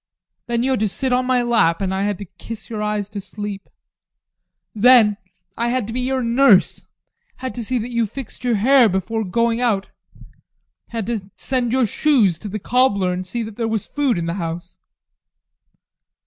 Then you had to sit on my lap, and I had to kiss your eyes to sleep. Then I had to be your nurse; had to see that you fixed your hair before going out; had to send your shoes to the cobbler, and see that there was food in the house.